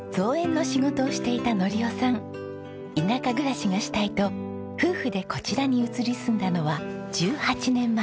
田舎暮らしがしたいと夫婦でこちらに移り住んだのは１８年前。